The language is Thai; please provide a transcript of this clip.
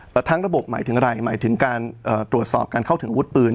แต่ทั้งระบบหมายถึงอะไรหมายถึงการตรวจสอบการเข้าถึงอาวุธปืน